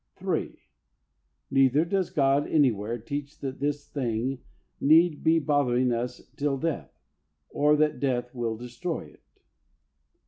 3. Neither does God anywhere teach that this thing need be bothering us till death, or that death will destroy it.